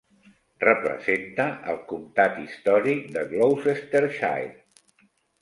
Representa el comtat històric de Gloucestershire.